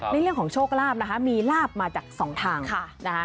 เรื่องของโชคลาภนะคะมีลาบมาจากสองทางนะคะ